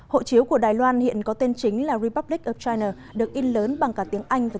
hộ chiếu của đài loan hiện có tên chính là republic of china được in lớn bằng cả tiếng anh và